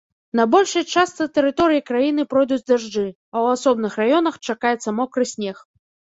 На большай частцы тэрыторыі краіны пройдуць дажджы, а ў асобных раёнах чакаецца мокры снег.